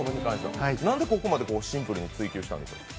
なんでここまでシンプルに追求したんですか？